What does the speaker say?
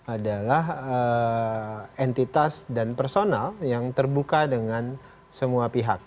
adalah entitas dan personal yang terbuka dengan semua pihak